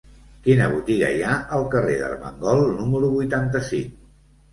Quina botiga hi ha al carrer d'Armengol número vuitanta-cinc?